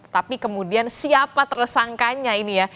tapi kemudian siapa tersangkanya ini ya